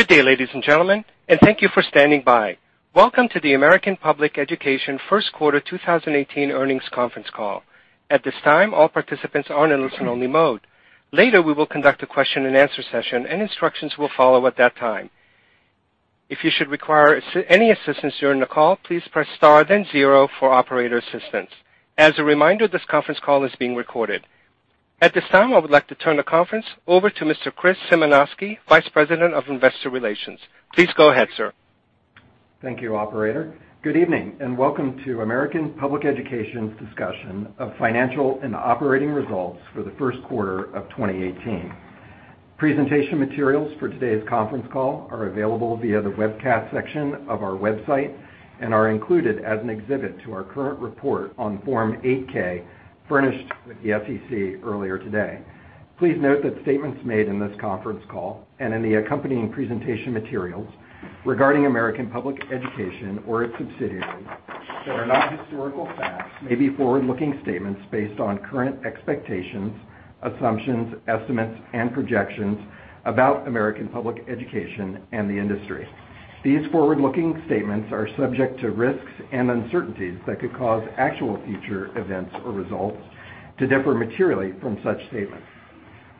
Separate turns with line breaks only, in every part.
Good day, ladies and gentlemen, thank you for standing by. Welcome to the American Public Education first quarter 2018 earnings conference call. At this time, all participants are in listen-only mode. Later, we will conduct a question and answer session, and instructions will follow at that time. If you should require any assistance during the call, please press star then zero for operator assistance. As a reminder, this conference call is being recorded. At this time, I would like to turn the conference over to Mr. Chris Symanoskie, Vice President of Investor Relations. Please go ahead, sir.
Thank you, operator. Good evening, welcome to American Public Education's discussion of financial and operating results for the first quarter of 2018. Presentation materials for today's conference call are available via the webcast section of our website and are included as an exhibit to our current report on Form 8-K furnished with the SEC earlier today. Please note that statements made in this conference call and in the accompanying presentation materials regarding American Public Education or its subsidiaries that are not historical facts may be forward-looking statements based on current expectations, assumptions, estimates, and projections about American Public Education and the industry. These forward-looking statements are subject to risks and uncertainties that could cause actual future events or results to differ materially from such statements.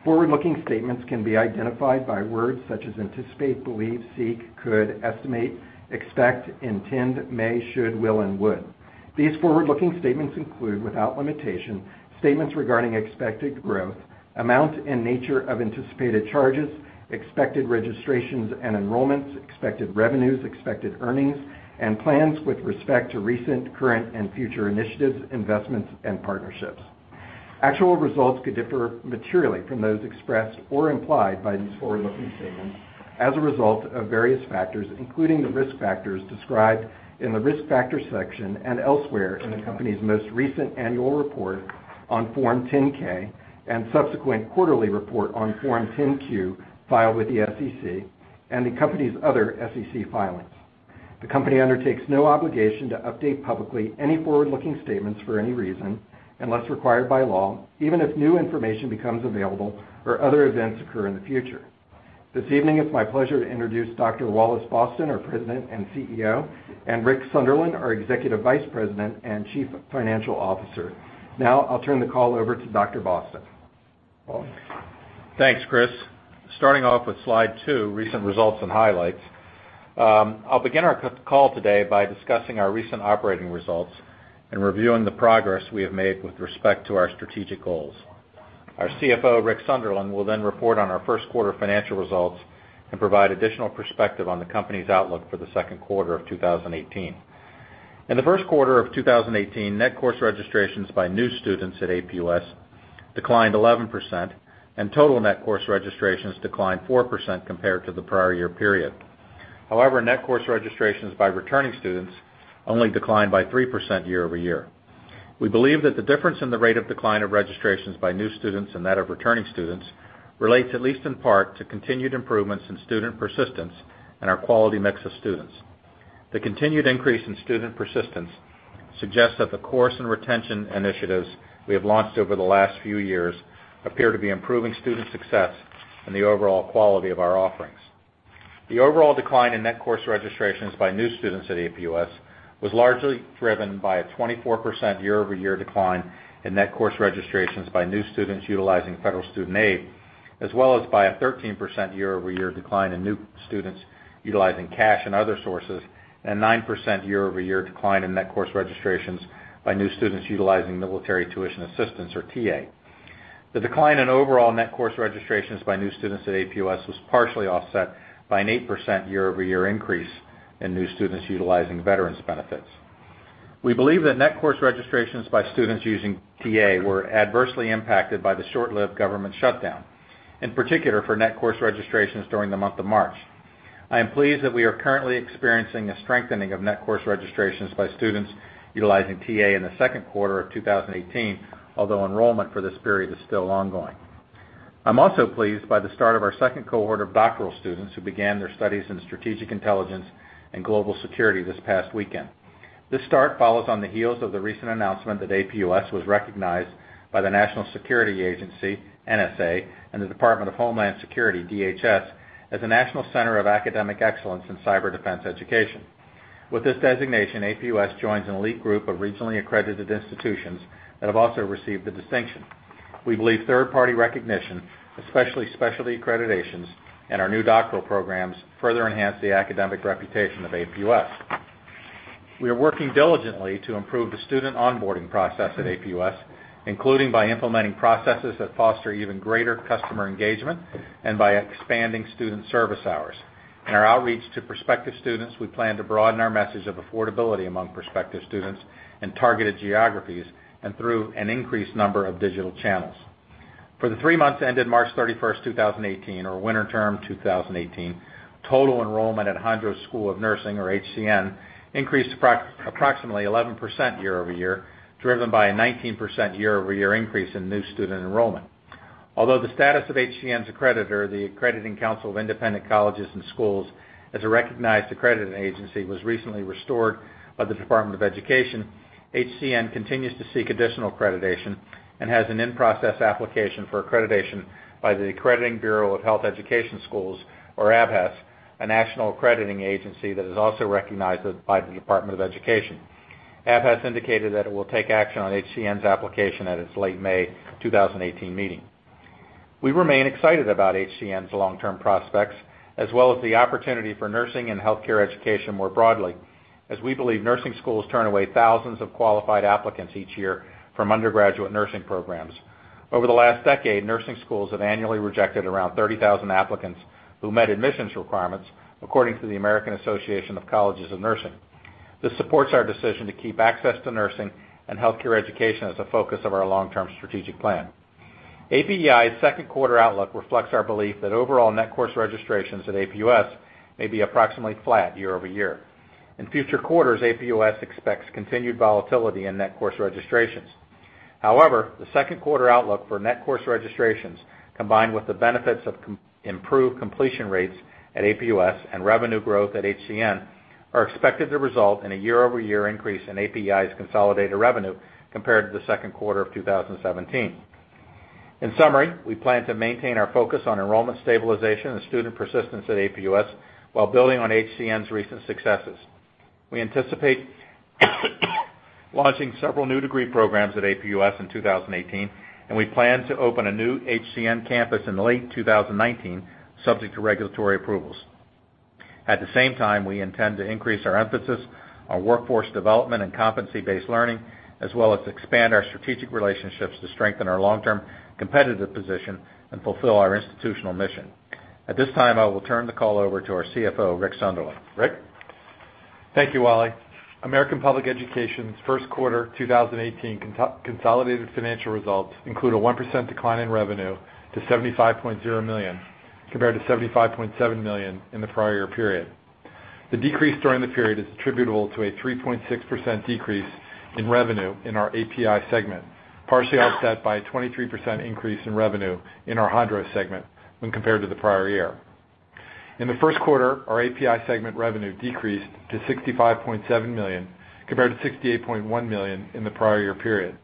Forward-looking statements can be identified by words such as anticipate, believe, seek, could, estimate, expect, intend, may, should, will, and would. These forward-looking statements include, without limitation, statements regarding expected growth, amount, and nature of anticipated charges, expected registrations and enrollments, expected revenues, expected earnings, and plans with respect to recent, current, and future initiatives, investments, and partnerships. Actual results could differ materially from those expressed or implied by these forward-looking statements as a result of various factors, including the risk factors described in the Risk Factors section and elsewhere in the company's most recent annual report on Form 10-K and subsequent quarterly report on Form 10-Q filed with the SEC and the company's other SEC filings. The company undertakes no obligation to update publicly any forward-looking statements for any reason, unless required by law, even if new information becomes available or other events occur in the future. This evening, it's my pleasure to introduce Dr. Wallace Boston, our President and CEO, Rick Sunderland, our Executive Vice President and Chief Financial Officer. I'll turn the call over to Dr. Boston. Wallace?
Thanks, Chris. Starting off with slide two, recent results and highlights. I'll begin our call today by discussing our recent operating results and reviewing the progress we have made with respect to our strategic goals. Our CFO, Rick Sunderland, will then report on our first quarter financial results and provide additional perspective on the company's outlook for the second quarter of 2018. In the first quarter of 2018, net course registrations by new students at APUS declined 11%, and total net course registrations declined 4% compared to the prior year period. However, net course registrations by returning students only declined by 3% year-over-year. We believe that the difference in the rate of decline of registrations by new students and that of returning students relates, at least in part, to continued improvements in student persistence and our quality mix of students. The continued increase in student persistence suggests that the course and retention initiatives we have launched over the last few years appear to be improving student success and the overall quality of our offerings. The overall decline in net course registrations by new students at APUS was largely driven by a 24% year-over-year decline in net course registrations by new students utilizing federal student aid, as well as by a 13% year-over-year decline in new students utilizing cash and other sources, and a 9% year-over-year decline in net course registrations by new students utilizing Military Tuition Assistance, or TA. The decline in overall net course registrations by new students at APUS was partially offset by an 8% year-over-year increase in new students utilizing veterans benefits. We believe that net course registrations by students using TA were adversely impacted by the short-lived government shutdown, in particular for net course registrations during the month of March. I am pleased that we are currently experiencing a strengthening of net course registrations by students utilizing TA in the second quarter of 2018, although enrollment for this period is still ongoing. I'm also pleased by the start of our second cohort of doctoral students who began their studies in Strategic Intelligence and Global Security this past weekend. This start follows on the heels of the recent announcement that APUS was recognized by the National Security Agency, NSA, and the Department of Homeland Security, DHS, as a National Center of Academic Excellence in Cyber Defense Education. With this designation, APUS joins an elite group of regionally accredited institutions that have also received the distinction. We believe third-party recognition, especially specialty accreditations and our new doctoral programs, further enhance the academic reputation of APUS. We are working diligently to improve the student onboarding process at APUS, including by implementing processes that foster even greater customer engagement and by expanding student service hours. In our outreach to prospective students, we plan to broaden our message of affordability among prospective students in targeted geographies and through an increased number of digital channels. For the three months ended March 31st, 2018, or winter term 2018, total enrollment at Hondros College of Nursing, or HCN, increased approximately 11% year-over-year, driven by a 19% year-over-year increase in new student enrollment. Although the status of HCN's accreditor, the Accrediting Council for Independent Colleges and Schools as a recognized accredited agency was recently restored by the Department of Education, HCN continues to seek additional accreditation and has an in-process application for accreditation by the Accrediting Bureau of Health Education Schools, or ABHES, a national accrediting agency that is also recognized by the Department of Education. ABHES indicated that it will take action on HCN's application at its late May 2018 meeting. We remain excited about HCN's long-term prospects, as well as the opportunity for nursing and healthcare education more broadly, as we believe nursing schools turn away thousands of qualified applicants each year from undergraduate nursing programs. Over the last decade, nursing schools have annually rejected around 30,000 applicants who met admissions requirements, according to the American Association of Colleges of Nursing. This supports our decision to keep access to nursing and healthcare education as a focus of our long-term strategic plan. APEI's second quarter outlook reflects our belief that overall net course registrations at APUS may be approximately flat year-over-year. In future quarters, APUS expects continued volatility in net course registrations. The second quarter outlook for net course registrations, combined with the benefits of improved completion rates at APUS and revenue growth at HCN, are expected to result in a year-over-year increase in APEI's consolidated revenue compared to the second quarter of 2017. In summary, we plan to maintain our focus on enrollment stabilization and student persistence at APUS while building on HCN's recent successes. We anticipate launching several new degree programs at APUS in 2018, and we plan to open a new HCN campus in late 2019, subject to regulatory approvals. At the same time, we intend to increase our emphasis on workforce development and competency-based learning, as well as expand our strategic relationships to strengthen our long-term competitive position and fulfill our institutional mission. At this time, I will turn the call over to our CFO, Rick Sunderland. Rick?
Thank you, Wally. American Public Education's first quarter 2018 consolidated financial results include a 1% decline in revenue to $75.0 million, compared to $75.7 million in the prior year period. The decrease during the period is attributable to a 3.6% decrease in revenue in our APEI segment, partially offset by a 23% increase in revenue in our Hondros segment when compared to the prior year. In the first quarter, our APEI segment revenue decreased to $65.7 million compared to $68.1 million in the prior year period.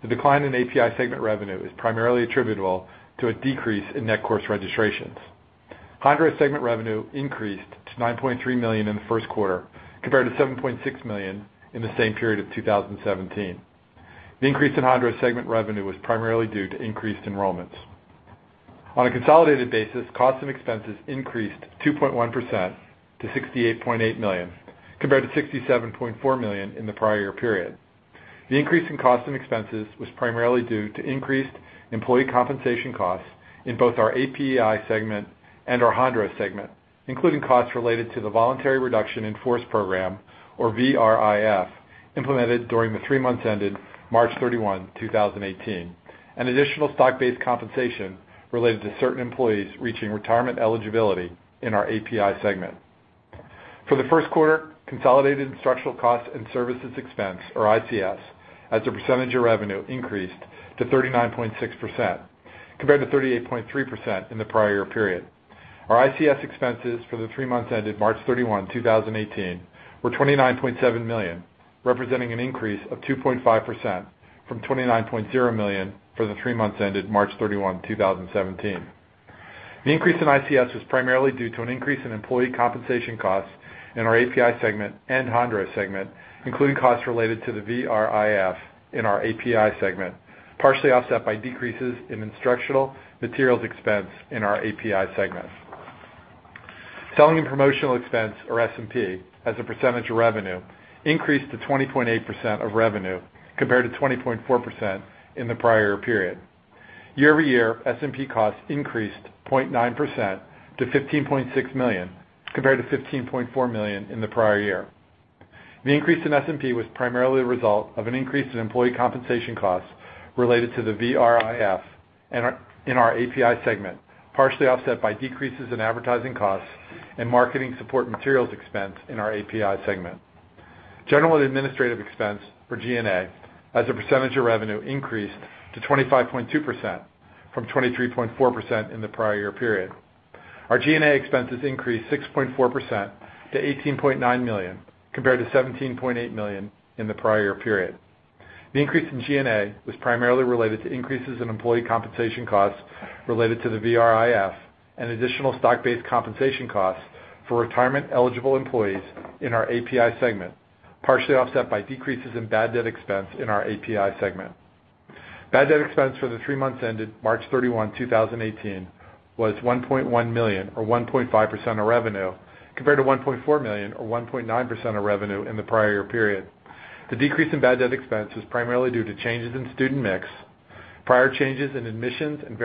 The decline in APEI segment revenue is primarily attributable to a decrease in net course registrations. Hondros segment revenue increased to $9.3 million in the first quarter, compared to $7.6 million in the same period of 2017. The increase in Hondros segment revenue was primarily due to increased enrollments. On a consolidated basis, costs and expenses increased 2.1% to $68.8 million, compared to $67.4 million in the prior year period. The increase in costs and expenses was primarily due to increased employee compensation costs in both our APEI segment and our Hondros segment, including costs related to the voluntary reduction in force program, or VRIF, implemented during the three months ended March 31, 2018, and additional stock-based compensation related to certain employees reaching retirement eligibility in our APEI segment. For the first quarter, consolidated instructional costs and services expense, or ICS, as a percentage of revenue, increased to 39.6%, compared to 38.3% in the prior year period. Our ICS expenses for the three months ended March 31, 2018, were $29.7 million, representing an increase of 2.5% from $29.0 million for the three months ended March 31, 2017. The increase in ICS was primarily due to an increase in employee compensation costs in our APEI segment and Hondros segment, including costs related to the VRIF in our APEI segment, partially offset by decreases in instructional materials expense in our APEI segment. Selling and promotional expense, or S&P, as a percentage of revenue, increased to 20.8% of revenue compared to 20.4% in the prior year period. Year-over-year, S&P costs increased 0.9% to $15.6 million, compared to $15.4 million in the prior year. The increase in S&P was primarily the result of an increase in employee compensation costs related to the VRIF in our APEI segment, partially offset by decreases in advertising costs and marketing support materials expense in our APEI segment. General and administrative expense, or G&A, as a percentage of revenue, increased to 25.2% from 23.4% in the prior year period. Our G&A expenses increased 6.4% to $18.9 million, compared to $17.8 million in the prior year period. The increase in G&A was primarily related to increases in employee compensation costs related to the VRIF and additional stock-based compensation costs for retirement-eligible employees in our APEI segment, partially offset by decreases in bad debt expense in our APEI segment. Bad debt expense for the three months ended March 31, 2018, was $1.1 million or 1.5% of revenue, compared to $1.4 million or 1.9% of revenue in the prior year period. The decrease in bad debt expense was primarily due to changes in student mix, prior changes in admissions and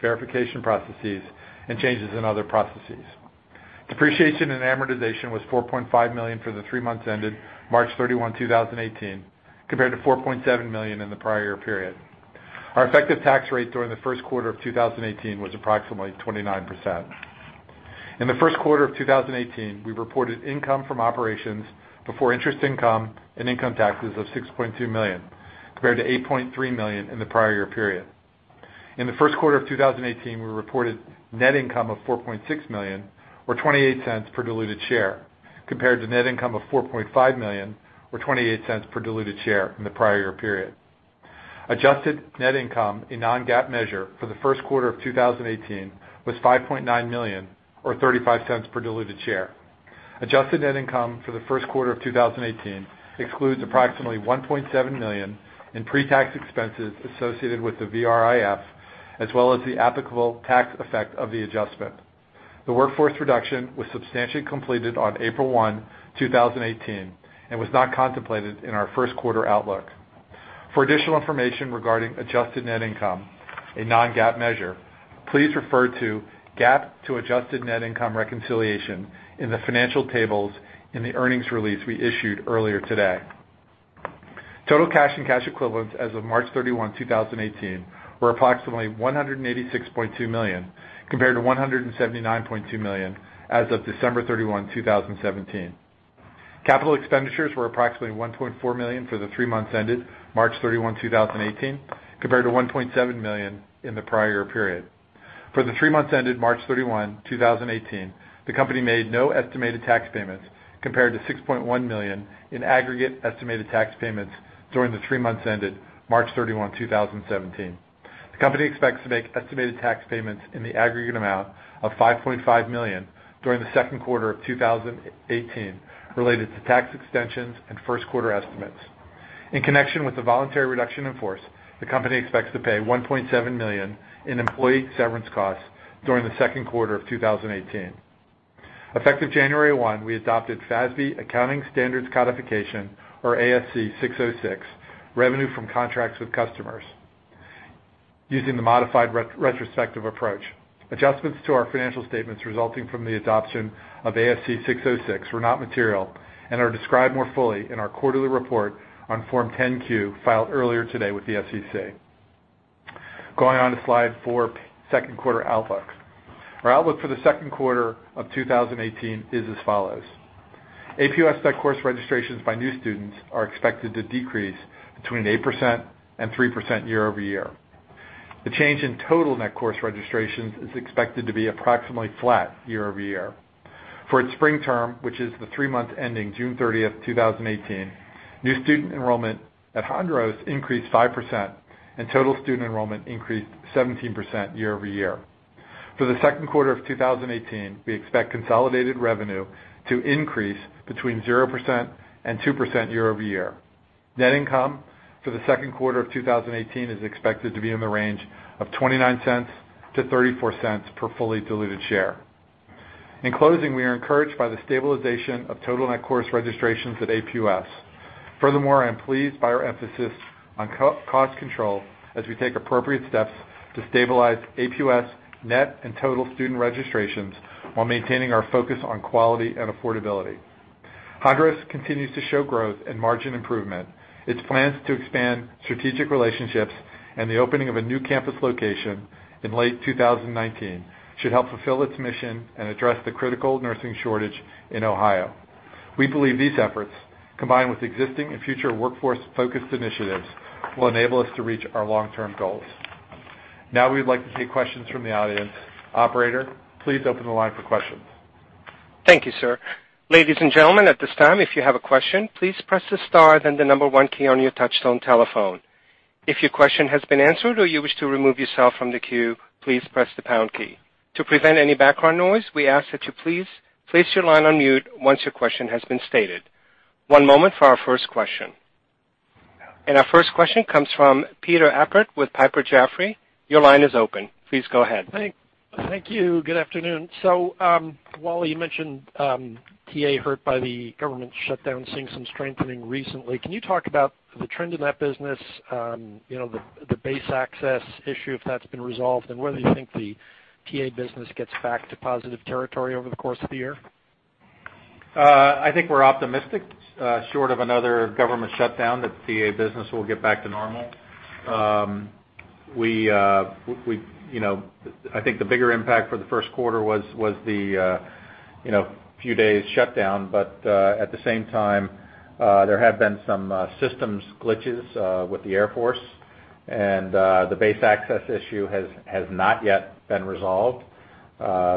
verification processes, and changes in other processes. Depreciation and amortization was $4.5 million for the three months ended March 31, 2018, compared to $4.7 million in the prior year period. Our effective tax rate during the first quarter of 2018 was approximately 29%. In the first quarter of 2018, we reported income from operations before interest income and income taxes of $6.2 million, compared to $8.3 million in the prior year period. In the first quarter of 2018, we reported net income of $4.6 million or $0.28 per diluted share, compared to net income of $4.5 million or $0.28 per diluted share from the prior year period. Adjusted net income, a non-GAAP measure for the first quarter of 2018 was $5.9 million or $0.35 per diluted share. Adjusted net income for the first quarter of 2018 excludes approximately $1.7 million in pre-tax expenses associated with the VRIF, as well as the applicable tax effect of the adjustment. The workforce reduction was substantially completed on April 1, 2018, and was not contemplated in our first quarter outlook. For additional information regarding adjusted net income, a non-GAAP measure, please refer to GAAP to adjusted net income reconciliation in the financial tables in the earnings release we issued earlier today. Total cash and cash equivalents as of March 31, 2018, were approximately $186.2 million, compared to $179.2 million as of December 31, 2017. Capital expenditures were approximately $1.4 million for the three months ended March 31, 2018, compared to $1.7 million in the prior period. For the three months ended March 31, 2018, the company made no estimated tax payments, compared to $6.1 million in aggregate estimated tax payments during the three months ended March 31, 2017. The company expects to make estimated tax payments in the aggregate amount of $5.5 million during the second quarter of 2018 related to tax extensions and first-quarter estimates. In connection with the voluntary reduction in force, the company expects to pay $1.7 million in employee severance costs during the second quarter of 2018. Effective January 1, we adopted FASB Accounting Standards Codification, or ASC 606, revenue from contracts with customers using the modified retrospective approach. Adjustments to our financial statements resulting from the adoption of ASC 606 were not material and are described more fully in our quarterly report on Form 10-Q filed earlier today with the SEC. Going on to slide four, second quarter outlook. Our outlook for the second quarter of 2018 is as follows. APUS net course registrations by new students are expected to decrease between 8% and 3% year-over-year. The change in total net course registrations is expected to be approximately flat year-over-year. For its spring term, which is the three months ending June 30, 2018, new student enrollment at Hondros increased 5%, and total student enrollment increased 17% year-over-year. For the second quarter of 2018, we expect consolidated revenue to increase between 0% and 2% year-over-year. Net income for the second quarter of 2018 is expected to be in the range of $0.29 to $0.34 per fully diluted share. In closing, we are encouraged by the stabilization of total net course registrations at APUS. Furthermore, I am pleased by our emphasis on cost control as we take appropriate steps to stabilize APUS net and total student registrations while maintaining our focus on quality and affordability. Hondros continues to show growth and margin improvement. Its plans to expand strategic relationships and the opening of a new campus location in late 2019 should help fulfill its mission and address the critical nursing shortage in Ohio. We believe these efforts, combined with existing and future workforce-focused initiatives, will enable us to reach our long-term goals. We would like to take questions from the audience. Operator, please open the line for questions.
Thank you, sir. Ladies and gentlemen, at this time, if you have a question, please press the star, then the one key on your touchtone telephone. If your question has been answered or you wish to remove yourself from the queue, please press the pound key. To prevent any background noise, we ask that you please place your line on mute once your question has been stated. One moment for our first question. Our first question comes from Peter Appert with Piper Jaffray. Your line is open. Please go ahead.
Thank you. Good afternoon. Wally, you mentioned TA hurt by the government shutdown, seeing some strengthening recently. Can you talk about the trend in that business, the base access issue, if that's been resolved, and whether you think the TA business gets back to positive territory over the course of the year?
I think we're optimistic, short of another government shutdown, that the TA business will get back to normal. I think the bigger impact for the first quarter was the few days shutdown, but at the same time, there have been some systems glitches with the Air Force, and the base access issue has not yet been resolved.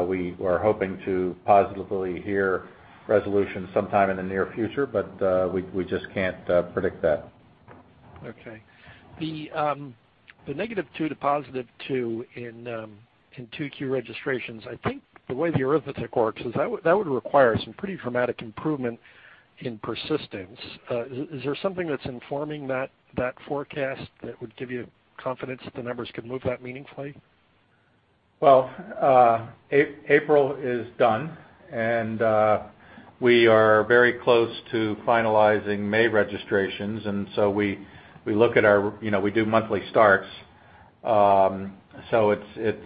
We are hoping to positively hear resolution sometime in the near future, but we just can't predict that.
Okay. The -2% to +2% in 2Q registrations, I think the way the arithmetic works is that would require some pretty dramatic improvement in persistence. Is there something that's informing that forecast that would give you confidence that the numbers could move that meaningfully?
April is done, and we are very close to finalizing May registrations, and so we do monthly starts. It's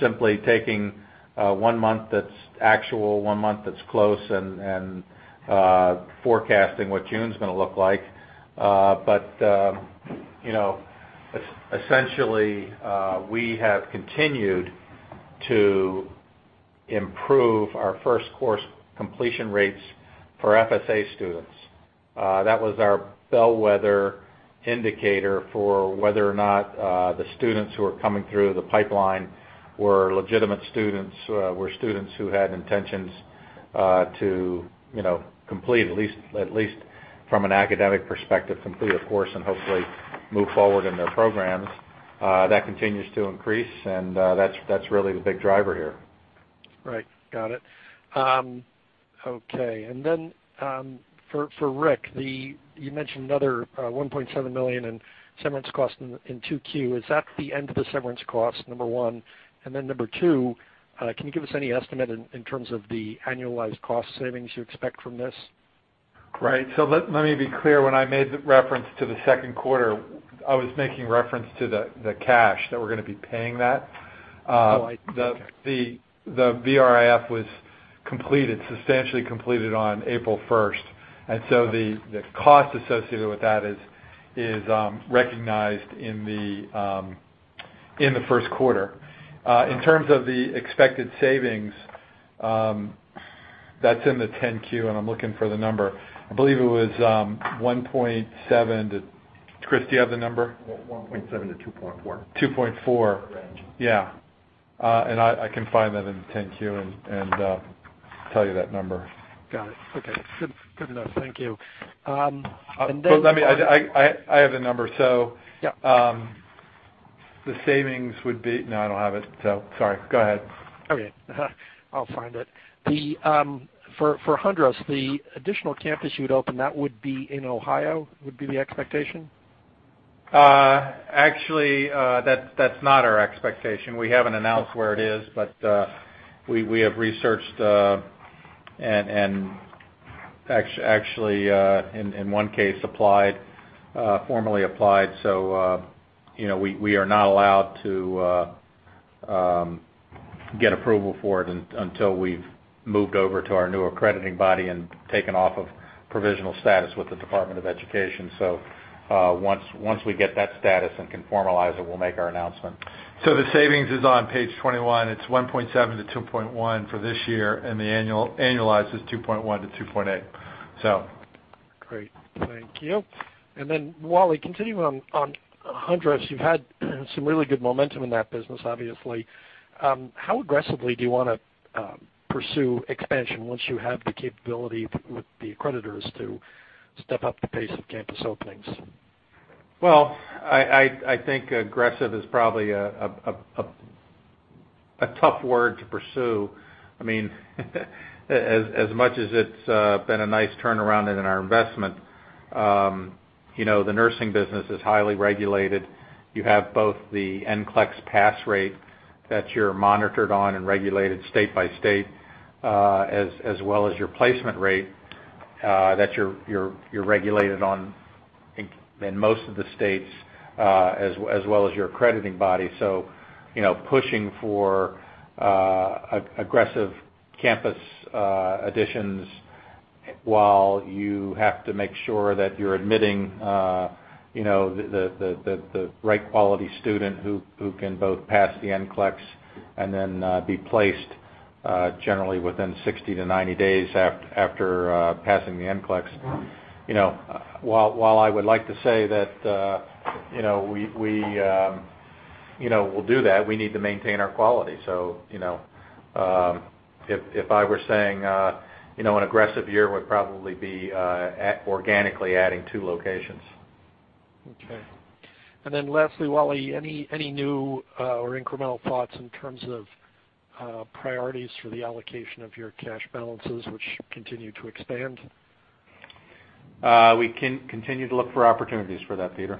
simply taking one month that's actual, one month that's close, and forecasting what June's going to look like. Essentially, we have continued to improve our first course completion rates for FSA students. That was our bellwether indicator for whether or not the students who are coming through the pipeline were legitimate students, were students who had intentions to complete, at least from an academic perspective, complete a course and hopefully move forward in their programs. That continues to increase, and that's really the big driver here.
Right. Got it. Okay. For Rick, you mentioned another $1.7 million in severance costs in 2Q. Is that the end of the severance cost, number one? Number two, can you give us any estimate in terms of the annualized cost savings you expect from this?
Right. Let me be clear. When I made the reference to the second quarter, I was making reference to the cash, that we're going to be paying that.
Oh, Okay.
The VRIF was substantially completed on April 1st. The cost associated with that is recognized in the first quarter. In terms of the expected savings, that's in the 10-Q, I'm looking for the number. I believe it was 1.7 to Chris, do you have the number?
$1.7-$2.4.
2.4. Range. Yeah. I can find that in the 10-Q and tell you that number.
Got it. Okay. Good enough. Thank you.
I have the number.
Yeah.
No, I don't have it, so sorry. Go ahead.
Okay. I'll find it. For Hondros, the additional campus you'd open, that would be in Ohio, would be the expectation?
Actually, that's not our expectation. We haven't announced where it is, but we have researched and actually, in one case, formally applied. We are not allowed to get approval for it until we've moved over to our new accrediting body and taken off of provisional status with the Department of Education. Once we get that status and can formalize it, we'll make our announcement.
The savings is on page 21. It's $1.7-$2.1 for this year, and the annualized is $2.1-$2.8.
Great. Thank you. Wally, continuing on Hondros, you've had some really good momentum in that business, obviously. How aggressively do you want to pursue expansion once you have the capability with the accreditors to step up the pace of campus openings?
Well, I think aggressive is probably a tough word to pursue. As much as it's been a nice turnaround and in our investment, the nursing business is highly regulated. You have both the NCLEX pass rate that you're monitored on and regulated state by state, as well as your placement rate, that you're regulated on in most of the states, as well as your accrediting body. Pushing for aggressive campus additions while you have to make sure that you're admitting the right quality student who can both pass the NCLEX and then be placed generally within 60 to 90 days after passing the NCLEX. While I would like to say that we'll do that, we need to maintain our quality. If I were saying an aggressive year would probably be organically adding two locations.
Okay. Lastly, Wally, any new or incremental thoughts in terms of priorities for the allocation of your cash balances, which continue to expand?
We continue to look for opportunities for that, Peter.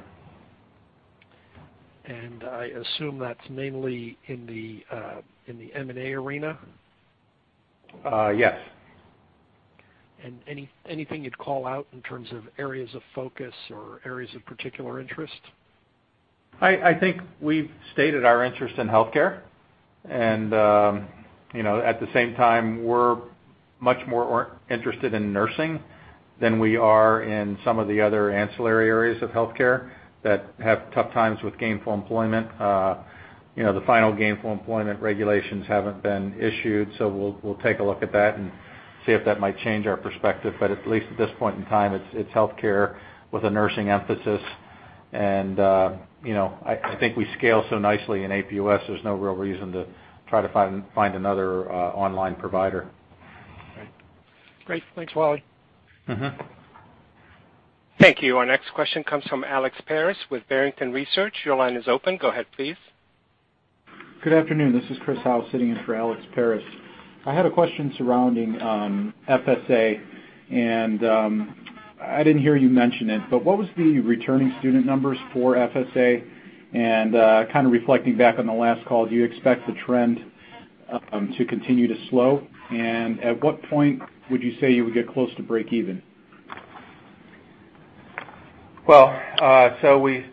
I assume that's mainly in the M&A arena?
Yes.
Anything you'd call out in terms of areas of focus or areas of particular interest?
I think we've stated our interest in healthcare, and at the same time, we're much more interested in nursing than we are in some of the other ancillary areas of healthcare that have tough times with gainful employment. The final gainful employment regulations haven't been issued, we'll take a look at that and see if that might change our perspective. At least at this point in time, it's healthcare with a nursing emphasis. I think we scale so nicely in APUS, there's no real reason to try to find another online provider.
Right. Great. Thanks, Wally.
Thank you. Our next question comes from Alex Paris with Barrington Research. Your line is open. Go ahead, please.
Good afternoon. This is Chris Howe sitting in for Alex Paris. I had a question surrounding FSA, and I didn't hear you mention it, but what was the returning student numbers for FSA? Kind of reflecting back on the last call, do you expect the trend to continue to slow? At what point would you say you would get close to breakeven?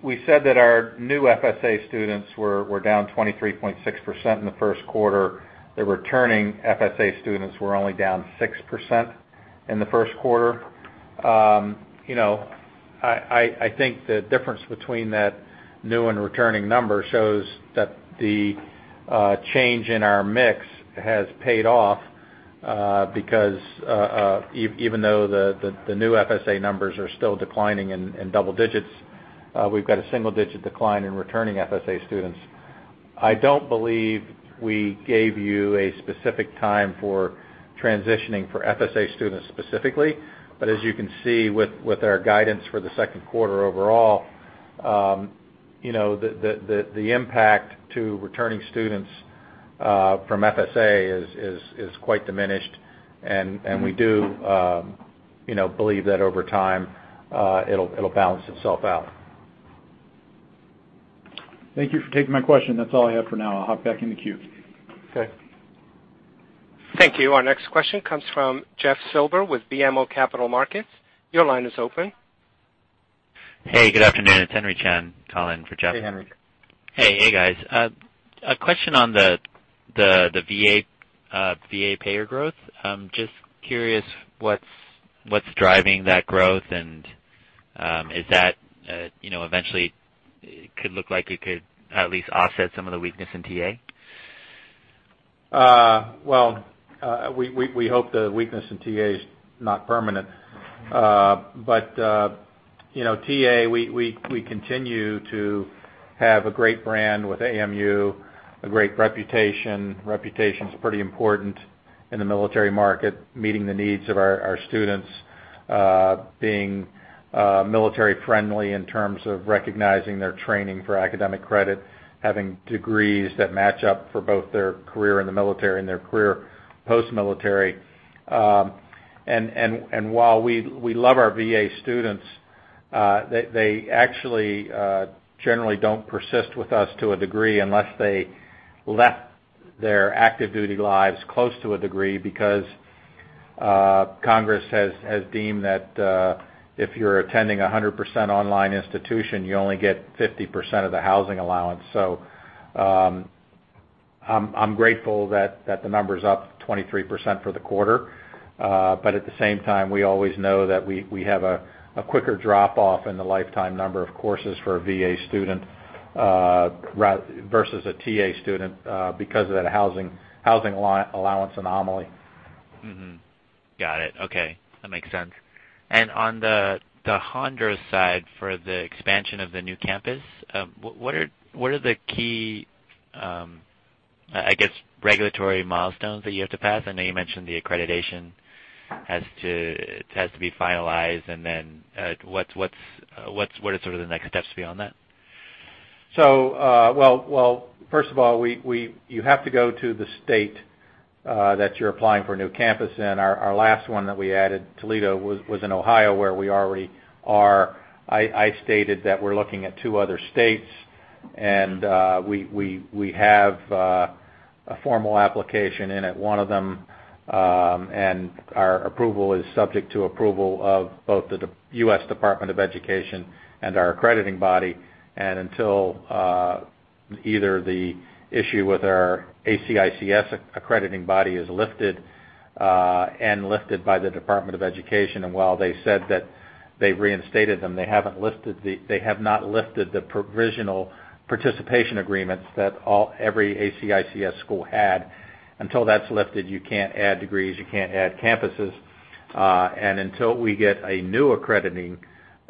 We said that our new FSA students were down 23.6% in the first quarter. The returning FSA students were only down 6%. In the first quarter. I think the difference between that new and returning number shows that the change in our mix has paid off, because even though the new FSA numbers are still declining in double digits, we've got a single-digit decline in returning FSA students. I don't believe we gave you a specific time for transitioning for FSA students specifically. As you can see with our guidance for the second quarter overall, the impact to returning students from FSA is quite diminished. We do believe that over time, it'll balance itself out.
Thank you for taking my question. That's all I have for now. I'll hop back in the queue.
Okay.
Thank you. Our next question comes from Jeffrey Silber with BMO Capital Markets. Your line is open.
Hey, good afternoon. It's Henry Chen calling for Jeff.
Hey, Henry.
Hey, guys. A question on the VA payer growth. Just curious, what's driving that growth, and is that eventually could look like it could at least offset some of the weakness in TA?
Well, we hope the weakness in TA is not permanent. TA, we continue to have a great brand with AMU, a great reputation. Reputation's pretty important in the military market, meeting the needs of our students, being military-friendly in terms of recognizing their training for academic credit, having degrees that match up for both their career in the military and their career post-military. While we love our VA students, they actually generally don't persist with us to a degree unless they left their active duty lives close to a degree because Congress has deemed that if you're attending 100% online institution, you only get 50% of the housing allowance. I'm grateful that the number's up 23% for the quarter. At the same time, we always know that we have a quicker drop-off in the lifetime number of courses for a VA student versus a TA student because of that housing allowance anomaly.
Got it. Okay. That makes sense. On the Hondros side, for the expansion of the new campus, what are the key, I guess, regulatory milestones that you have to pass? I know you mentioned the accreditation has to be finalized, then what are sort of the next steps beyond that?
First of all, you have to go to the state that you're applying for a new campus in. Our last one that we added, Toledo, was in Ohio, where we already are. I stated that we're looking at two other states, and we have a formal application in at one of them. Our approval is subject to approval of both the U.S. Department of Education and our accrediting body until either the issue with our ACICS accrediting body is lifted and lifted by the Department of Education. While they said that they've reinstated them, they have not lifted the provisional participation agreements that every ACICS school had. Until that's lifted, you can't add degrees, you can't add campuses. Until we get a new accrediting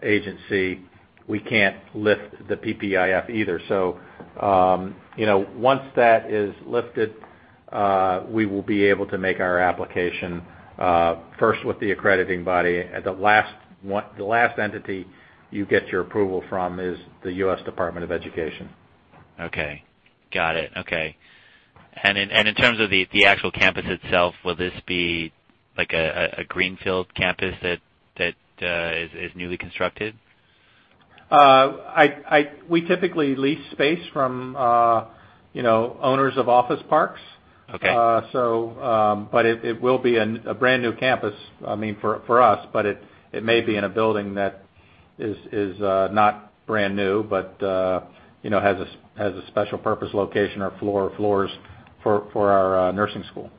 agency, we can't lift the PPA either. Once that is lifted, we will be able to make our application, first with the accrediting body. The last entity you get your approval from is the U.S. Department of Education.
Okay. Got it. Okay. In terms of the actual campus itself, will this be a greenfield campus that is newly constructed?
We typically lease space from owners of office parks.
Okay.
It will be a brand new campus, I mean, for us. It may be in a building that is not brand new, but has a special purpose location or floor or floors for our nursing school.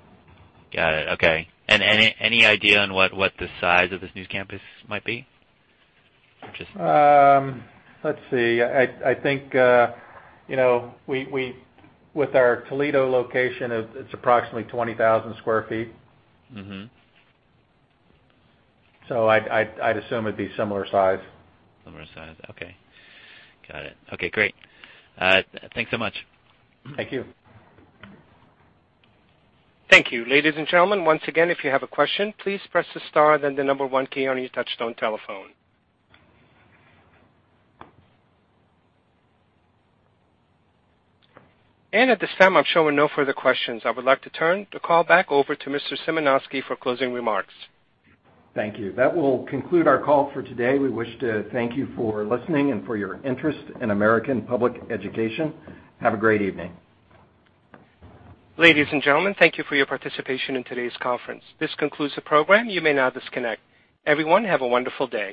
Got it. Okay. Any idea on what the size of this new campus might be?
Let's see. I think, with our Toledo location, it's approximately 20,000 sq ft. I'd assume it'd be similar size.
Similar size. Okay. Got it. Okay, great. Thanks so much.
Thank you.
Thank you. Ladies and gentlemen, once again, if you have a question, please press the star then the number 1 key on your touchtone telephone. At this time, I'm showing no further questions. I would like to turn the call back over to Mr. Symanoskie for closing remarks.
Thank you. That will conclude our call for today. We wish to thank you for listening and for your interest in American Public Education. Have a great evening.
Ladies and gentlemen, thank you for your participation in today's conference. This concludes the program. You may now disconnect. Everyone, have a wonderful day.